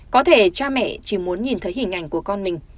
có thể cha mẹ chỉ muốn nhìn thấy hình ảnh của con mình